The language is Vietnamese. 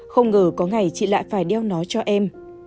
không ngờ có ngày chị lại phải đeo nó cho em